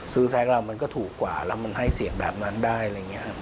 แซคเรามันก็ถูกกว่าแล้วมันให้เสียงแบบนั้นได้อะไรอย่างนี้ครับ